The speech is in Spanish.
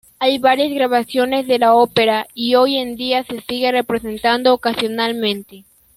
Hay varias grabaciones de la ópera, y hoy en día se sigue representando ocasionalmente.